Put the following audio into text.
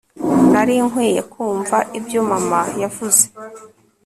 nari nkwiye kumva ibyo mama yavuze